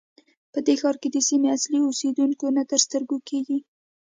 په دې ښار کې د سیمې اصلي اوسېدونکي نه تر سترګو کېږي.